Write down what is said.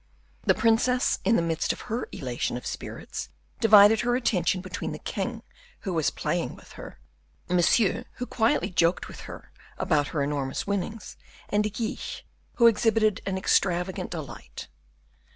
The princess, in the midst of her elation of spirits, divided her attention between the king, who was playing with her, Monsieur, who quietly joked her about her enormous winnings, and De Guiche, who exhibited an extravagant delight.